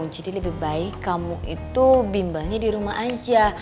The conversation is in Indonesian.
jadi lebih baik kamu itu bimbelnya di rumah aja